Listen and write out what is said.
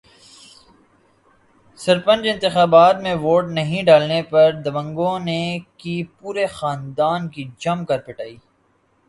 سرپنچ انتخابات میں ووٹ نہیں ڈالنے پر دبنگوں نے کی پورے خاندان کی جم کر پٹائی